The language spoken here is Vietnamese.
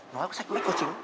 nói là có sách mic có chính